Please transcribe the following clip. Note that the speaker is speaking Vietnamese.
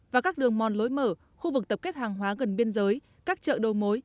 và các đường mòn lối mở khu vực tập kết hàng hóa gần biên giới các chợ đầu mối